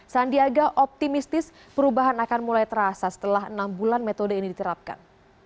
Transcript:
sandiaga optimistis perubahan akan mulai terasa setelah enam bulan metode ini diterapkan